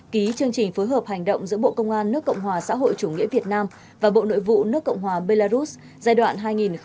ký chương trình phối hợp hành động giữa bộ công an nước cộng hòa xã hội chủ nghĩa việt nam và bộ nội vụ nước cộng hòa belarus giai đoạn hai nghìn một mươi tám hai nghìn hai mươi